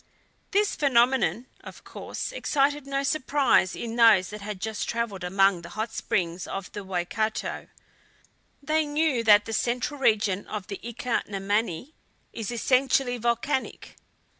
This phenomenon of course excited no surprise in those that had just traveled among the hot springs of the Waikato. They knew that the central region of the Ika na Mani is essentially volcanic.